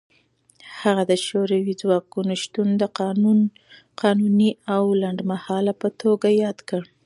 هغه د شوروي ځواکونو شتون د قانوني او لنډمهاله په توګه یاد کړ.